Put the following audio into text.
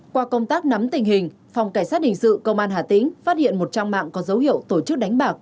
qua công tác nắm tình hình phòng cảnh sát hình sự công an hà tĩnh phát hiện một trang mạng có dấu hiệu tổ chức đánh bạc